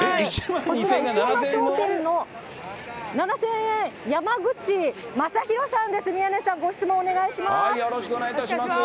こちら石山商店の、７０００円、山口昌弘さんです、宮根さん、ご質問お願いします。